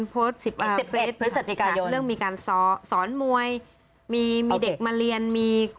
โพสต์อ่าเพศอ่ะเรื่องมีการสอนมวยมีมีเด็กมาเรียนมี